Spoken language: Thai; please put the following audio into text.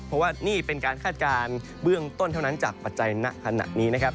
เพราะว่านี่เป็นการคาดการณ์เบื้องต้นเท่านั้นจากปัจจัยณขณะนี้นะครับ